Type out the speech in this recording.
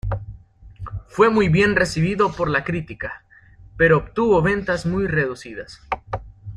Fue muy bien recibido por la crítica, pero obtuvo ventas muy reducidas.